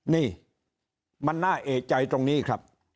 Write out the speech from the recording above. นี่มันน่าเอกใจตรงนี้ครับ